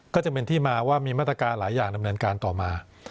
ก็จะเป็นที่มาว่ามีมาตรการหลายอย่างดำเนินการต่อมา